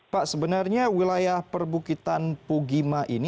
pak sebenarnya wilayah perbukitan pugima ini